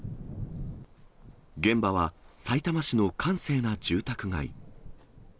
現場はさいたま市の閑静な住宅街。